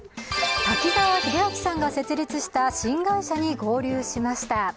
滝沢秀明さんが設立した新会社に合流しました。